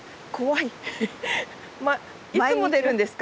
いつも出るんですか？